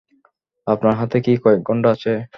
আপনার হাতে কি কয়েক ঘণ্টা আছে?